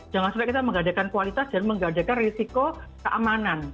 jangan sampai kita menggadekan kualitas dan menggadekan risiko keamanan